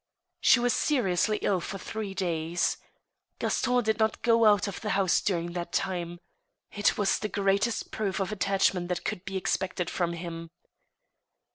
She was seriously ill for three days. Gaston did not go out of the house during that time. It was the greatest proof of attach ment that could be expected from him.